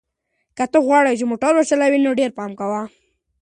که ته غواړې چې موټر وچلوې نو ډېر پام کوه.